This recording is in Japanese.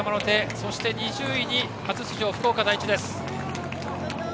そして２０位に初出場福岡第一です。